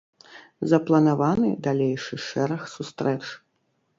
Запланаваны далейшы шэраг сустрэч.